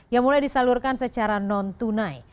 yang mulai disalurkan secara non tunai